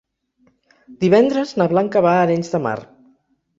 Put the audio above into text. Divendres na Blanca va a Arenys de Mar.